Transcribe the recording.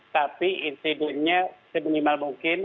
tapi insidunya seminimal mungkin